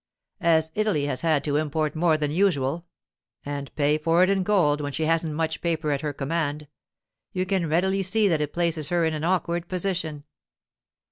As Italy has had to import more than usual—and pay for it in gold when she hasn't much but paper at her command—you can readily see that it places her in an awkward position.